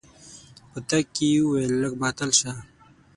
په تګ کې يې وويل لږ ماتل شه.